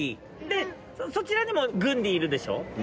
でそちらにもグンディいるでしょ。